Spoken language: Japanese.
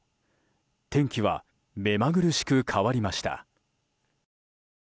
天気はめまぐるしく変わりました。